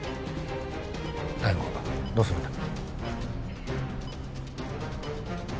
大門どうするんだ？